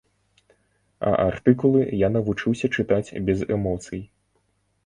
А артыкулы я навучыўся чытаць без эмоцый.